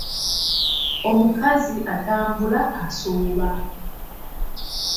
Omukazi atambula asooba.